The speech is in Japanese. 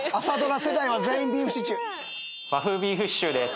朝ドラ世代は全員ビーフシチュー。